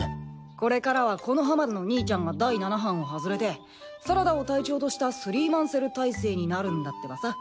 これからは木ノ葉丸の兄ちゃんが第七班を外れてサラダを隊長としたスリーマンセル体制になるんだってばさ。